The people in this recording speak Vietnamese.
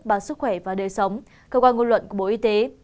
báo sức khỏe và đời sống cơ quan ngôn luận của bộ y tế